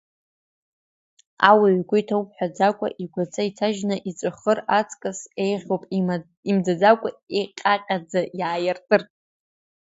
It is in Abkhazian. Ауаҩ игәы иҭоу мҳәаӡакәа, игәаҵа иҭажьны иҵәахыр аҵкьыс еиӷьуп имӡаӡакәа, иҟьаҟьаӡа иааиртыр.